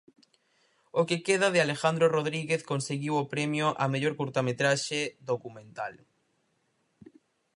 O que queda, de Alejandro Rodríguez, conseguiu o premio á Mellor Curtametraxe Documental.